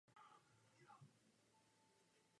Dvakrát vytvořil starým typem oštěpu světový rekord.